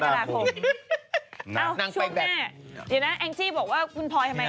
เดี๋ยวนะแองซี่บอกว่าคุณพลอยทำไม